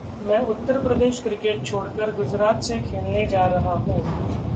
‘मैं उत्तर प्रदेश क्रिकेट छोड़कर गुजरात से खेलने जा रहा हूं’